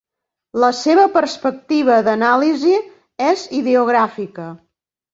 La seva perspectiva d'anàlisi és ideogràfica.